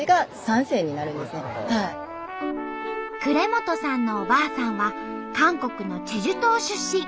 呉本さんのおばあさんは韓国のチェジュ島出身。